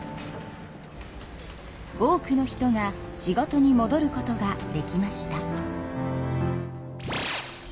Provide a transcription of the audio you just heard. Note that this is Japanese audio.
多くの人が仕事にもどることができました。